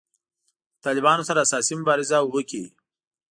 له طالبانو سره اساسي مبارزه وکړي.